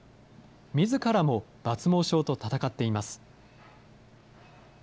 みずからも抜毛症と闘っています。